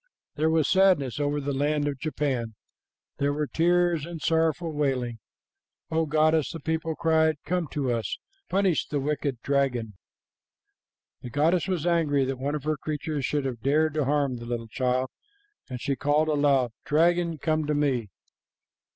There was sadness over the land of Japan. There were tears and sorrowful wailing. 'O goddess,' the people cried, 'come to us! Punish the wicked dragon!' "The goddess was angry that one of her creatures should have dared to harm the little child, and she called aloud, 'Dragon, come to me.'